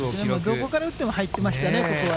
どこから打っても入ってましたね。